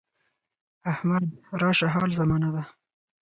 احمد راشه حال زمانه ده.